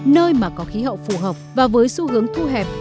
nơi mà có khí hậu phù hợp và với xu hướng thu hẹp